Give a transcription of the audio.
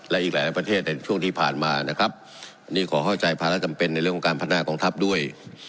และอีกหลายประเทศในช่วงที่ผ่านมานะครับนี่ขอเข้าใจภาระจำเป็นในเรื่องของการพัฒนากองทัพด้วย